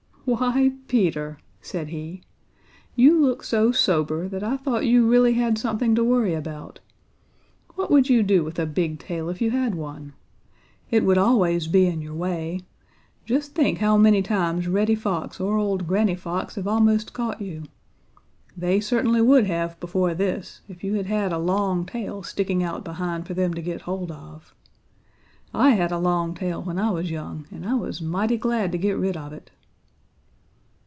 "Why, Peter," said he, "you look so sober, that I thought you really had something to worry about. What would you do with a big tail, if you had one? It would always be in your way. Just think how many times Reddy Fox or old Granny Fox have almost caught you. They certainly would have before this, if you had had a long tail sticking out behind for them to get hold of. I had a long tail when I was young, and I was mighty glad to get rid of it."